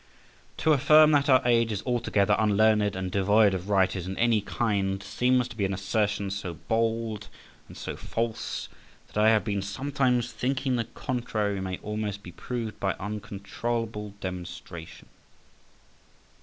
To affirm that our age is altogether unlearned and devoid of writers in any kind, seems to be an assertion so bold and so false, that I have been sometimes thinking the contrary may almost be proved by uncontrollable demonstration.